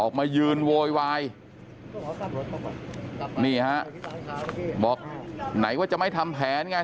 ออกมายืนโวยวายบอกไหนว่าจะไม่ทำแผนยังไง